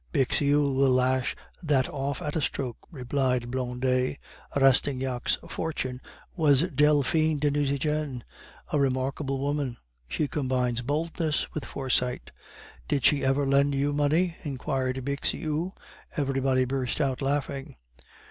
"Bixiou will lash that off at a stroke," replied Blondet. "Rastignac's fortune was Delphine de Nucingen, a remarkable woman; she combines boldness with foresight." "Did she ever lend you money?" inquired Bixiou. Everybody burst out laughing.